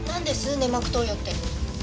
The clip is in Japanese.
粘膜投与って。